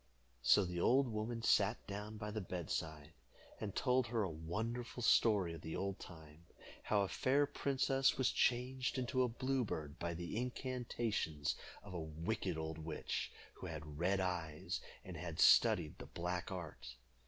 So the old woman sat down by the bedside, and told her a wonderful story of the olden time, how a fair princess was changed into a blue bird by the incantations of a wicked old witch, who had red eyes, and had studied the black art.